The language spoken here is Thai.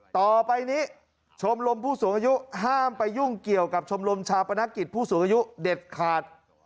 ต่อไปนี้ชมรมผู้สูงอายุห้ามไปยุ่งเกี่ยวกับชมรมชาปนกิจผู้สูงอายุเด็ดขาด